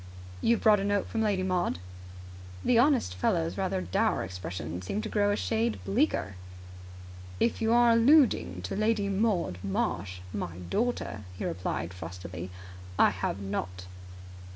"You have brought a note from Lady Maud?" The honest fellow's rather dour expression seemed to grow a shade bleaker. "If you are alluding to Lady Maud Marsh, my daughter," he replied frostily, "I have not!"